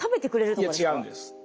いや違うんです。